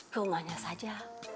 ke rumahnya saja